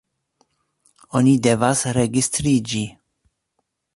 Oni devas registriĝi.